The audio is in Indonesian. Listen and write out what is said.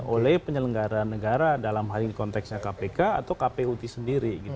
oleh penyelenggara negara dalam hal ini konteksnya kpk atau kput sendiri